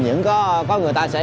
nhà có người ta sẽ